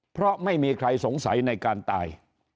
เพราะไม่มีใครสงสัยในการตาย